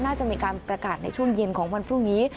น่าจะมีการประกาศในช่วงเย็นของวันพรุ่งนี้